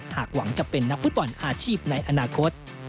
หากหวังจะเป็นนักฟุตบอลอาชีพในอนาคต